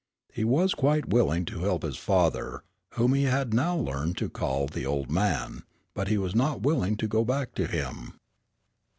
He was quite willing to help his father, whom he had now learned to call the "old man," but he was not willing to go back to him.